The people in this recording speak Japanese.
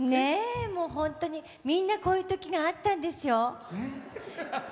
本当にみんなこういうときがあったんですよ。